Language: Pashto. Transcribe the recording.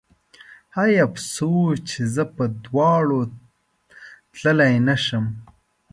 هی افسوس چې زه په دواړو تللی نه شم